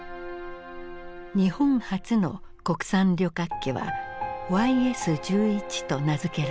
日本初の国産旅客機はＹＳ−１１と名付けられた。